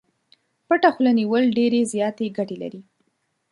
پټه خوله نيول ډېرې زياتې ګټې لري.